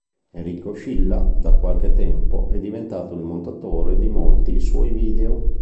Enrico Scilla, da qualche tempo, è diventato il montatore di molti suoi video.